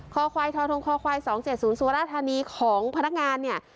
คอควายทอทงคอควายสองเจียดศูนย์สวรรษฐานีของพนักงานเนี้ย